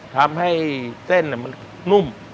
ทำให้เส้นมันนุ่ม